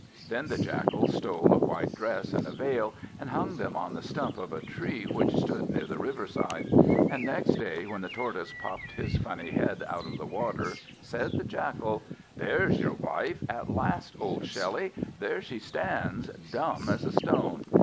Then the Jackal stole a white dress and a veil, and hung them on the stump of a tree which stood near the river side; and next day, when the Tortoise popped his funny head out of the water, said the Jackal "There's your wife at last, old Shelly! There she stands, dumb as a stone.